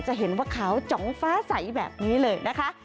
จะเห็นว่าขาวจ๋องฟ้าใสแบบนี้เลยนะคะ